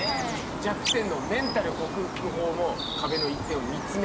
弱点のメンタル克服法も壁の一点を見詰めるという。